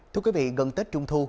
thưa quý vị gần tết trung thu